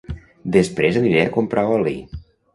Després aniré a comprar oli